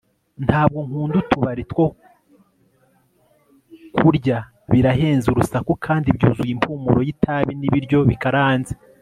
Ntabwo nkunda utubari two kurya Birahenze urusaku kandi byuzuye impumuro yitabi nibiryo bikaranze